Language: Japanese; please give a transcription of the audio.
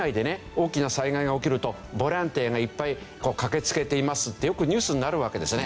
大きな災害が起きるとボランティアがいっぱい駆けつけていますってよくニュースになるわけですね。